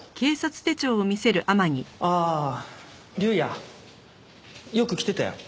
ああ竜也？よく来てたよ。